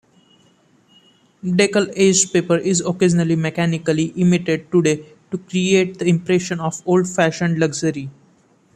Deckle-edged paper is occasionally mechanically imitated today to create the impression of old-fashioned luxury.